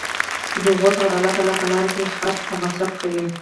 د هغو څخه د الله تعالی په لاره کي خرچ او مصر ف کوي